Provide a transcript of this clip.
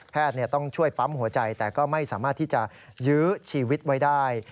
ต้องช่วยปั๊มหัวใจแต่ก็ไม่สามารถที่จะยื้อชีวิตไว้ได้